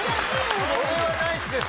これはナイスです。